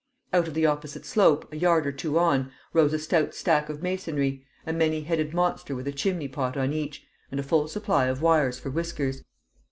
Out of the opposite slope, a yard or two on, rose a stout stack of masonry, a many headed monster with a chimney pot on each, and a full supply of wires for whiskers.